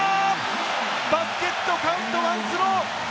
バスケットカウントワンスロー！